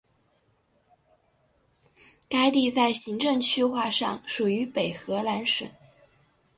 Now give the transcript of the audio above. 该地在行政区划上属于北荷兰省。